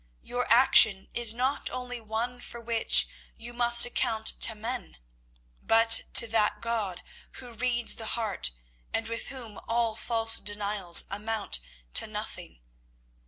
Your action is not only one for which you must account to men, but to that God who reads the heart and with whom all false denials amount to nothing.